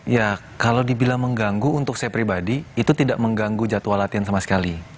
ya kalau dibilang mengganggu untuk saya pribadi itu tidak mengganggu jadwal latihan sama sekali